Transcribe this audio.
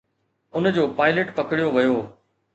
ان جو پائلٽ پڪڙيو ويو.